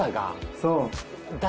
そう！